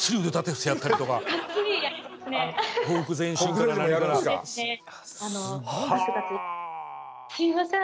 すいません